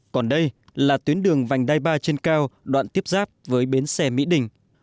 còn đây là tuyến đường vành đai ba trên cao đoạn tiếp giáp với bến xe mỹ đình